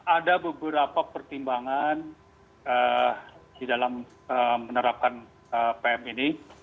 ada beberapa pertimbangan di dalam menerapkan pm ini